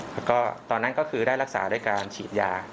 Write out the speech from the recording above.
แล้วก็ตอนนั้นก็คือได้รักษาด้วยการฉีดยา